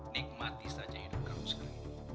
nikmati saja hidup kamu sekali